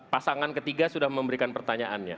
pasangan ketiga sudah memberikan pertanyaannya